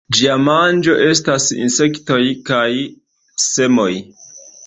Ĝia manĝo estas insektoj kaj semoj.